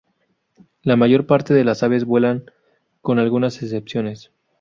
La mayor parte de las aves vuelan, con algunas excepciones.